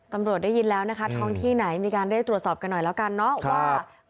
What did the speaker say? ได้ยินแล้วนะคะท้องที่ไหนมีการเรียกตรวจสอบกันหน่อยแล้วกันเนาะว่า